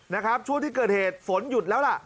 นะครับช่วงที่เกิดเหตุฝนหยุดแล้วล่ะ